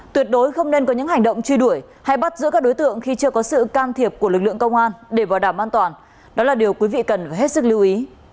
tuyệt đối không nên có những hành động truy đuổi hay bắt giữ các đối tượng khi chưa có sự can thiệp của lực lượng công an để bảo đảm an toàn đó là điều quý vị cần phải hết sức lưu ý